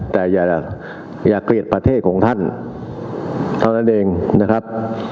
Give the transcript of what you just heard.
แต่อย่าเกลียดประเทศของท่านเท่านั้นเองนะครับ